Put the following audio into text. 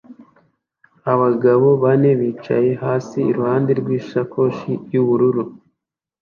Abagabo bane bicaye hasi iruhande rw'isakoshi y'ubururu